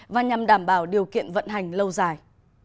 và nhằm đảm bảo điều kiện vận hành lâu dài